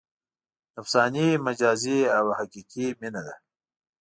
نفساني، مجازي او حقیقي مینه ده.